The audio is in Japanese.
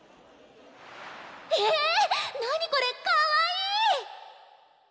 え何これかわいい！